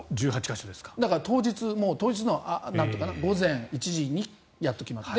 だから当日の午前１時にやっと決まった。